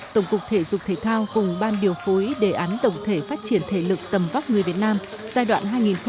tổng cục thể dục thể thao cùng ban điều phối đề án tổng thể phát triển thể lực tầm vóc người việt nam giai đoạn hai nghìn một mươi sáu hai nghìn ba mươi